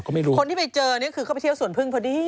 คนที่ไปเจอเนี่ยคือเข้าไปเที่ยวส่วนพึ่งพอดี